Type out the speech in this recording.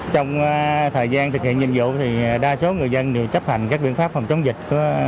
trong thời gian thực hiện nhiệm vụ thì đa số người dân đều chấp hành các biện pháp phòng chống dịch